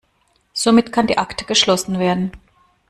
Somit kann die Akte geschlossen werden.